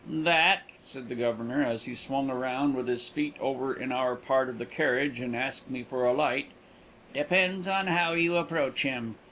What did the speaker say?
"That," said the Governor, as he swung around with his feet over in our part of the carriage and asked me for a light, "depends on how you approach him.